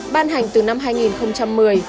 ban hành từ năm hai nghìn một mươi